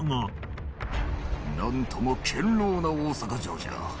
なんとも堅牢な大坂城じゃ。